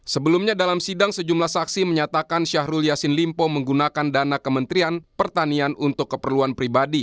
sebelumnya dalam sidang sejumlah saksi menyatakan syahrul yassin limpo menggunakan dana kementerian pertanian untuk keperluan pribadi